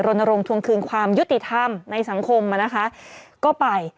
รณรงค์ทวงคืนความยุติธรรมในสังคมนะคะก็ไป